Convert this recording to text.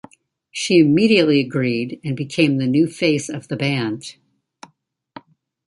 She immediately agreed and became the new face of the band.